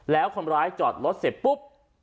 แล้วคนร้ายจอดรถเสร็จปุ๊บ